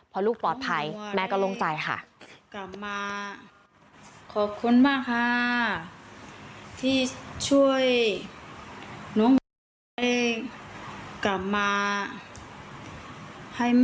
พอลูกปลอดภัยแม่ก็โล่งใจค่ะ